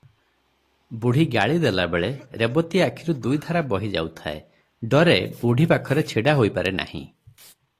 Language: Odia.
ବୁଢ଼ୀ ଗାଳି ଦେବାବେଳେ ରେବତୀ ଆଖିରୁ ଦୁଇଧାରା ବହି ଯାଉଥାଏ, ଡରେ ବୁଢ଼ୀ ପାଖରେ ଛିଡ଼ା ହୋଇପାରେ ନାହିଁ।